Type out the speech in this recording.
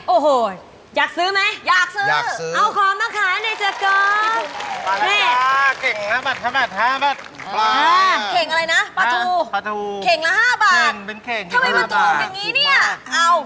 โอ่โหอยากซื้อมั้ยอยากซื้อเอ้าของมาขายไหนเจอก็